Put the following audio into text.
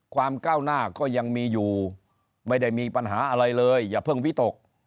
ก้าวหน้าก็ยังมีอยู่ไม่ได้มีปัญหาอะไรเลยอย่าเพิ่งวิตก